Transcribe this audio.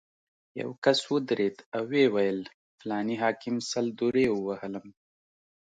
یو کس ودرېد او ویې ویل: فلاني حاکم سل درې ووهلم.